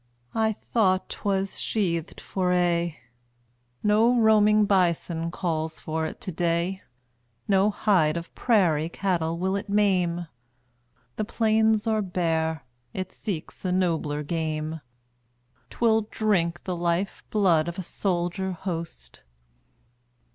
I thought 'twas sheathed for aye. No roaming bison calls for it to day; No hide of prairie cattle will it maim; The plains are bare, it seeks a nobler game: 'Twill drink the life blood of a soldier host.